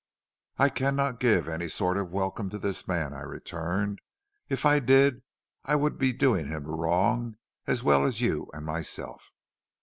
"'I cannot give any sort of welcome to this man,' I returned. 'If I did, I would be doing him a wrong, as well as you and myself.